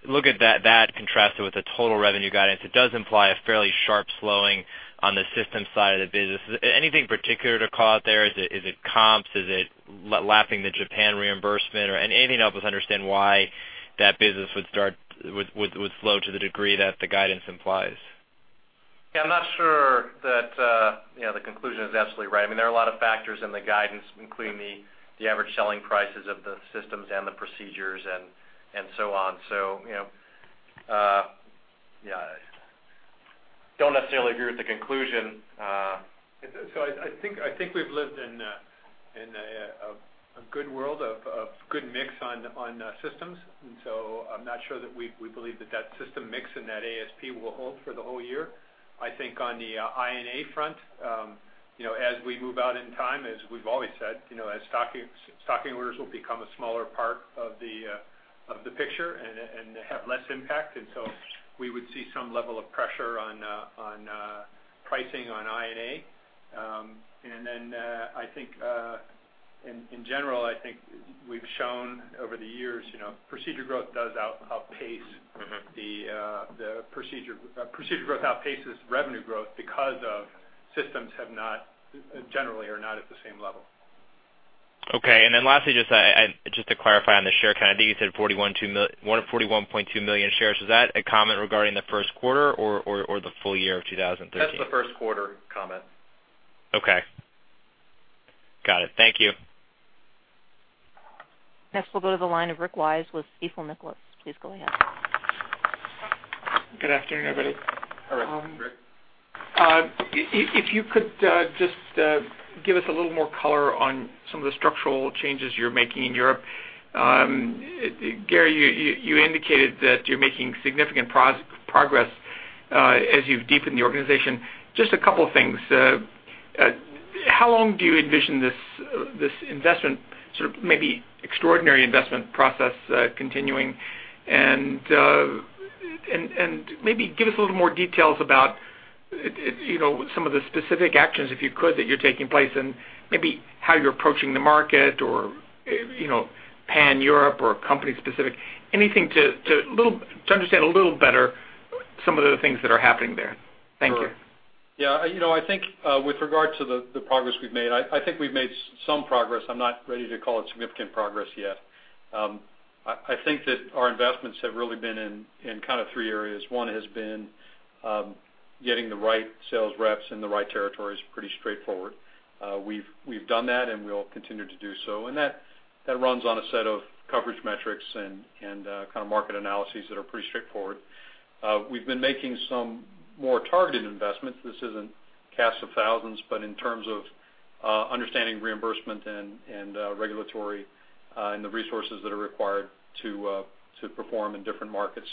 Look at that contrasted with the total revenue guidance. It does imply a fairly sharp slowing on the system side of the business. Anything particular to call out there? Is it comps? Is it lapping the Japan reimbursement? Anything to help us understand why that business would slow to the degree that the guidance implies? Yeah, I'm not sure that the conclusion is absolutely right. There are a lot of factors in the guidance, including the average selling prices of the systems and the procedures and so on. Don't necessarily agree with the conclusion. I think we've lived in In a good world of good mix on systems. I'm not sure that we believe that system mix and that ASP will hold for the whole year. I think on the I&A front, as we move out in time, as we've always said, stocking orders will become a smaller part of the picture and have less impact. We would see some level of pressure on pricing on I&A. In general, I think we've shown over the years, procedure growth outpaces revenue growth because of systems generally are not at the same level. Lastly, just to clarify on the share count, I think you said 141.2 million shares. Is that a comment regarding the first quarter or the full year of 2013? That's the first quarter comment. Okay. Got it. Thank you. Next, we'll go to the line of Rick Wise with Stifel Nicolaus. Please go ahead. Good afternoon, everybody. All right, Rick. If you could just give us a little more color on some of the structural changes you're making in Europe. Gary, you indicated that you're making significant progress as you've deepened the organization. Just a couple of things. How long do you envision this investment, sort of maybe extraordinary investment process continuing? Maybe give us a little more details about some of the specific actions, if you could, that you're taking place and maybe how you're approaching the market or pan-Europe or company specific. Anything to understand a little better some of the things that are happening there. Thank you. Sure. Yeah. I think with regard to the progress we've made, I think we've made some progress. I'm not ready to call it significant progress yet. I think that our investments have really been in kind of three areas. One has been getting the right sales reps in the right territories, pretty straightforward. We've done that, and we'll continue to do so. That runs on a set of coverage metrics and kind of market analyses that are pretty straightforward. We've been making some more targeted investments. This is in casts of thousands, but in terms of understanding reimbursement and regulatory and the resources that are required to perform in different markets.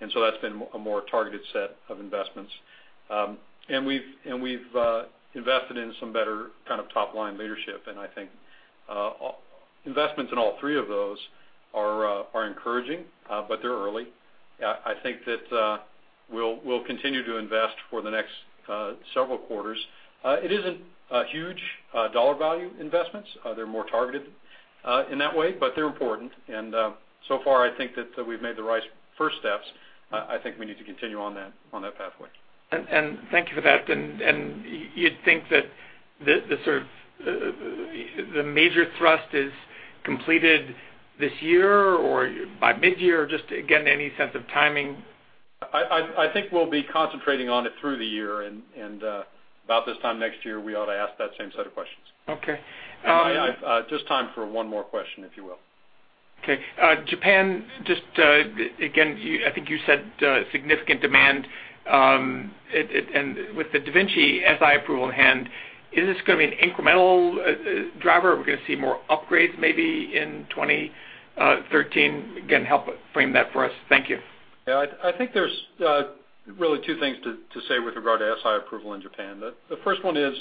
That's been a more targeted set of investments. We've invested in some better kind of top-line leadership, and I think investments in all three of those are encouraging. They're early. I think that we'll continue to invest for the next several quarters. It isn't huge dollar value investments. They're more targeted in that way, but they're important. So far, I think that we've made the right first steps. I think we need to continue on that pathway. Thank you for that. You'd think that the major thrust is completed this year or by mid-year, or just again, any sense of timing? I think we'll be concentrating on it through the year, and about this time next year, we ought to ask that same set of questions. Okay. Just time for one more question, if you will. Okay. Japan, just again, I think you said significant demand. With the da Vinci Si approval in hand, is this going to be an incremental driver? Are we going to see more upgrades maybe in 2013? Again, help frame that for us. Thank you. Yeah. I think there's really two things to say with regard to Si approval in Japan. The first one is,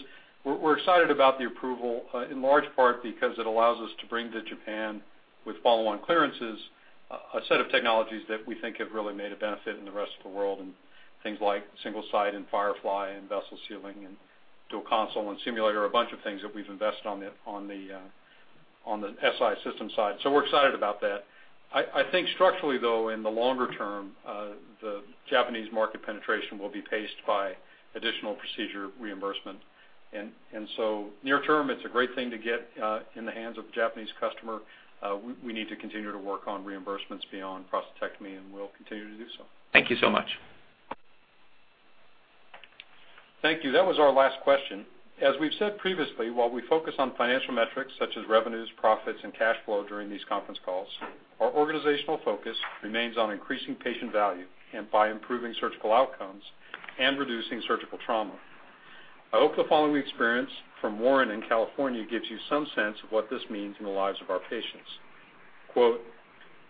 we're excited about the approval, in large part because it allows us to bring to Japan with follow-on clearances, a set of technologies that we think have really made a benefit in the rest of the world and things like Single-Site and Firefly and vessel sealing and dual console and simulator, a bunch of things that we've invested on the Si system side. We're excited about that. I think structurally, though, in the longer term, the Japanese market penetration will be paced by additional procedure reimbursement. Near term, it's a great thing to get in the hands of the Japanese customer. We need to continue to work on reimbursements beyond prostatectomy, and we'll continue to do so. Thank you so much. Thank you. That was our last question. As we've said previously, while we focus on financial metrics such as revenues, profits, and cash flow during these conference calls, our organizational focus remains on increasing patient value and by improving surgical outcomes and reducing surgical trauma. I hope the following experience from Warren in California gives you some sense of what this means in the lives of our patients. Quote,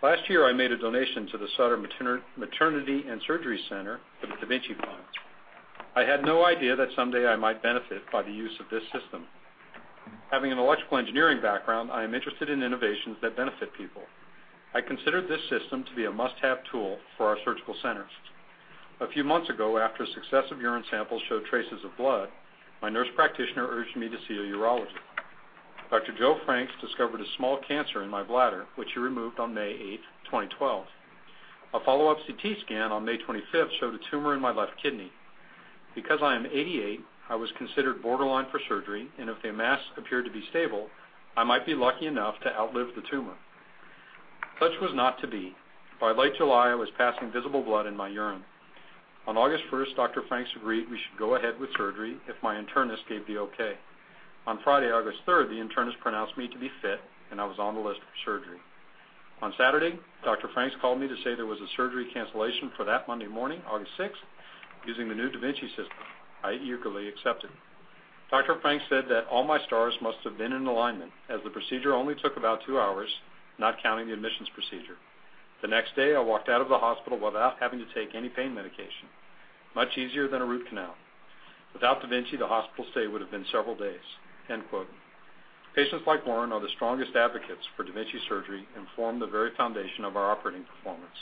"Last year, I made a donation to the Sutter Maternity & Surgery Center for the da Vinci fund. I had no idea that someday I might benefit by the use of this system. Having an electrical engineering background, I am interested in innovations that benefit people. I considered this system to be a must-have tool for our surgical centers. A few months ago, after successive urine samples showed traces of blood, my nurse practitioner urged me to see a urologist. Dr. Joe Franks discovered a small cancer in my bladder, which he removed on May 8th, 2012. A follow-up CT scan on May 25th showed a tumor in my left kidney. Because I am 88, I was considered borderline for surgery, and if the mass appeared to be stable, I might be lucky enough to outlive the tumor. Such was not to be. By late July, I was passing visible blood in my urine. On August 1st, Dr. Franks agreed we should go ahead with surgery if my internist gave the okay. On Friday, August 3rd, the internist pronounced me to be fit, and I was on the list for surgery. On Saturday, Dr. Franks called me to say there was a surgery cancellation for that Monday morning, August 6th, using the new da Vinci system. I eagerly accepted. Dr. Franks said that all my stars must have been in alignment, as the procedure only took about two hours, not counting the admissions procedure. The next day, I walked out of the hospital without having to take any pain medication. Much easier than a root canal. Without da Vinci, the hospital stay would've been several days." End quote. Patients like Warren are the strongest advocates for da Vinci surgery and form the very foundation of our operating performance.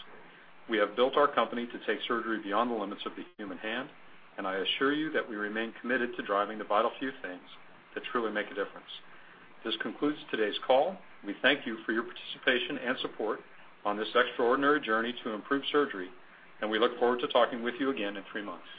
We have built our company to take surgery beyond the limits of the human hand, and I assure you that we remain committed to driving the vital few things that truly make a difference. This concludes today's call. We thank you for your participation and support on this extraordinary journey to improve surgery, and we look forward to talking with you again in three months.